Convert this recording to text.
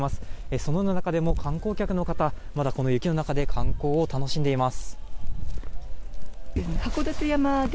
そのような中でも観光客の方この雪の中で観光を楽しんでいます。